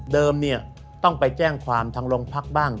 ต้องไปแจ้งความทางโรงพักบ้าง